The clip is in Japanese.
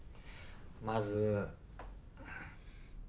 まず。